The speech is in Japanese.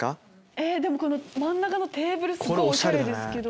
えっでもこの真ん中のテーブルすごいおしゃれですけど。